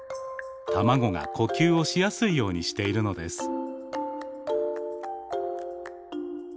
卵が呼吸をしやすいようにしているのです。